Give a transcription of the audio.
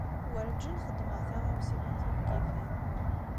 Werǧin xeddmeɣ tiɣawsiwin tungifin.